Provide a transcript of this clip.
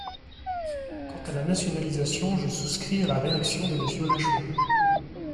Quant à la nationalisation, je souscris à la réaction de Monsieur Lachaud.